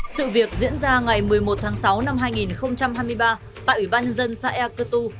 sự việc diễn ra ngày một mươi một tháng sáu năm hai nghìn hai mươi ba tại ủy ban nhân dân xã e cơ tu